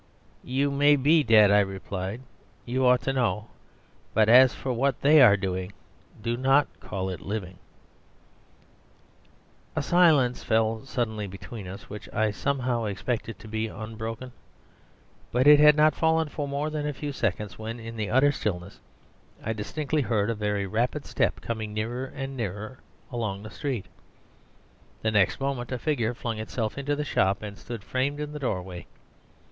"You may be dead," I replied. "You ought to know. But as for what they are doing, do not call it living." ..... A silence fell suddenly between us which I somehow expected to be unbroken. But it had not fallen for more than a few seconds when, in the utter stillness, I distinctly heard a very rapid step coming nearer and nearer along the street. The next moment a figure flung itself into the shop and stood framed in the doorway.